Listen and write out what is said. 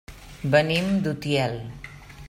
Venim d'Utiel.